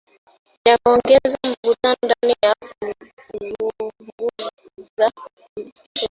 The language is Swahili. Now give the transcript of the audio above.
Yameongeza mvutano ndani na kuzunguka Tripoli